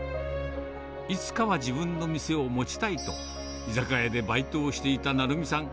いつかは自分の店を持ちたいと、居酒屋でバイトをしていた成美さん。